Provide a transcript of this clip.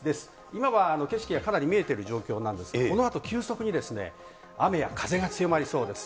今は景色がかなり見えている状況なんですが、このあと急速に雨や風が強まりそうです。